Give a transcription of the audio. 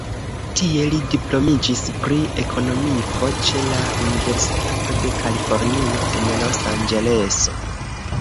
Tie li diplomiĝis pri Ekonomiko ĉe la Universitato de Kalifornio en Los-Anĝeleso.